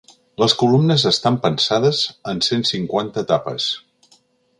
Les columnes estan pensades en cent cinquanta etapes.